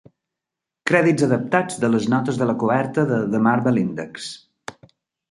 Crèdits adaptats de les notes de la coberta de "The Marble Index".